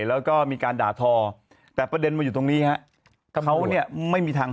แล้วก็มีการด่าทอแต่ประเด็นมาอยู่ตรงนี้ฮะเขาเนี่ยไม่มีทาง